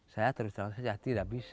saya terus terang saja tidak bisa